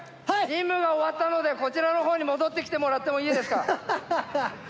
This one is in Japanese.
任務が終わったので、こちらのほうに戻ってきてもらってもいいですか？